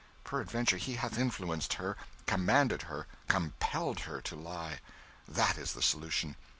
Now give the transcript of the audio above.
Peradventure he hath influenced her, commanded her, compelled her to lie. That is the solution.